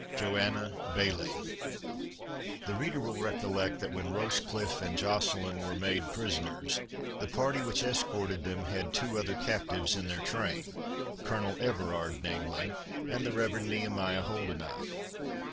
JOANNA BAILLIE. The reader will recollect, that when Rochecliffe and Joceline were made prisoners, the party which escorted them had two other captives in their train, Colonel Everard, namely, and the Rev. Nehemiah Holdenough.